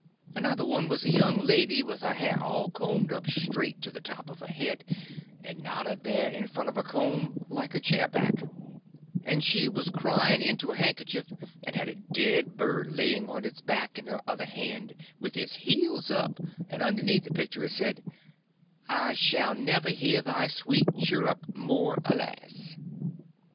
Another one was a young lady with her hair all combed up straight to the top of her head, and knotted there in front of a comb like a chair back, and she was crying into a handkerchief and had a dead bird laying on its back in her other hand with its heels up, and underneath the picture it said "I Shall Never Hear Thy Sweet Chirrup More Alas."